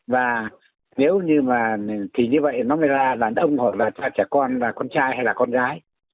và nếu như như vậy nó mới ra là đông hỏi là trẻ con là con trai hay là con gái